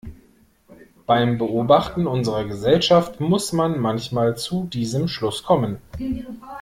Beim Beobachten unserer Gesellschaft muss man manchmal zu diesem Schluss kommen.